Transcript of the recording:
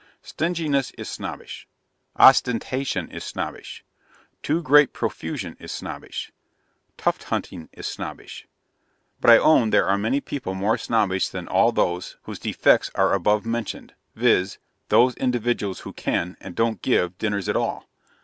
Stinginess is snobbish. Ostentation is snobbish. Too great profusion is snobbish. Tuft hunting is snobbish. But I own there are people more snobbish than all those whose defects are above mentioned: viz., those individuals who can, and don't give dinners at all.